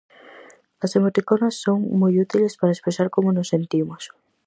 As emoticonas son moi útiles para expresar como nos sentimos.